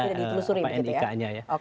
tidak ditelusuri begitu ya